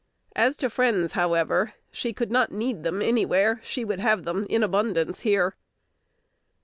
As to friends, however, she could not need them anywhere: she would have them in abundance here.